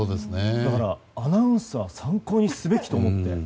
だから、アナウンサーは参考にすべきと思って。